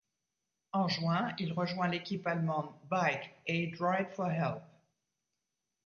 En juin, il rejoint l'équipe allemande Bike Aid-Ride for help.